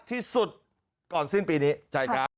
ที่สุดก่อนสิ้นปีนี้